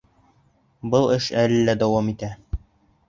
Был эш әле лә дауам итә.